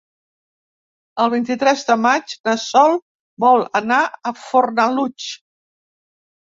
El vint-i-tres de maig na Sol vol anar a Fornalutx.